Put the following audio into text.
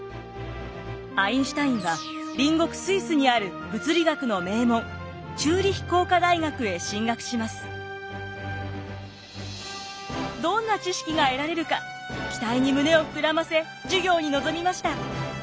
アインシュタインは隣国スイスにあるどんな知識が得られるか期待に胸を膨らませ授業に臨みました。